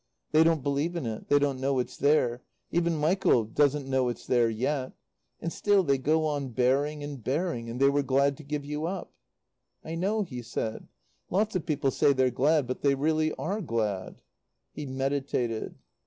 They don't believe in it; they don't know it's there; even Michael doesn't know it's there yet; and still they go on bearing and bearing; and they were glad to give you up." "I know," he said; "lots of people say they're glad, but they really are glad." He meditated.